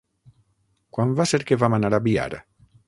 Quan va ser que vam anar a Biar?